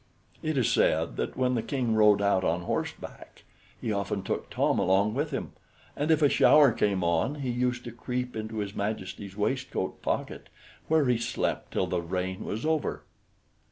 It is said that when the King rode out on horseback, he often took Tom along with him, and if a shower came on, he used to creep into his Majesty's waistcoat pocket, where he slept till the rain was over.